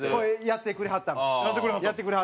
やってくれはったうん。